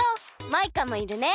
マイカもいるね！